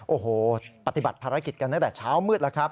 โอ้โหปฏิบัติภารกิจกันตั้งแต่เช้ามืดแล้วครับ